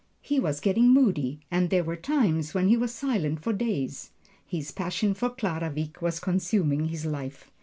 He was getting moody, and there were times when he was silent for days. His passion for Clara Wieck was consuming his life.